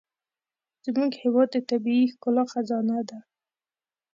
زموږ هېواد د طبیعي ښکلا خزانه ده.